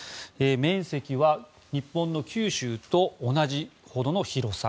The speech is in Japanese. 面積は日本の九州と同じほどの広さ。